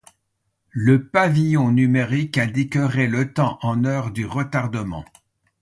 Le pavillon numérique indiquerait le temps en heure du retardement.